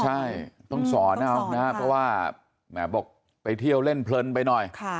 ใช่ต้องสอนเอานะครับเพราะว่าแหมบอกไปเที่ยวเล่นเพลินไปหน่อย